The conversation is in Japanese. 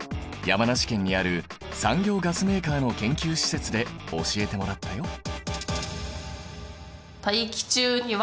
山梨県にある産業ガスメーカーの研究施設で教えてもらったよ。